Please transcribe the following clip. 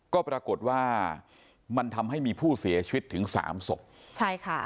ก็ปรากฏว่ามันทำให้มีผู้เสียชีวิตถึงสามศพใช่ค่ะ